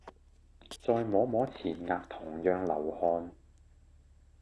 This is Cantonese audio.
再摸摸前額同樣流汗